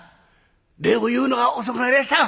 礼を言うのが遅くなりました！